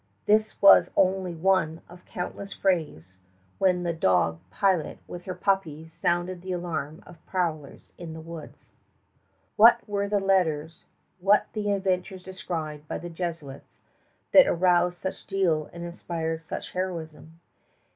This was only one of countless frays when the dog Pilot with her puppies sounded the alarm of prowlers in the woods. What were the letters, what the adventures described by the Jesuits, that aroused such zeal and inspired such heroism?